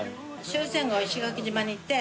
終戦後は石垣島にいて。